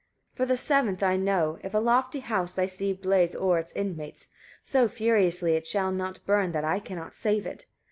154. For the seventh I know, if a lofty house I see blaze o'er its inmates, so furiously it shall not burn that I cannot save it.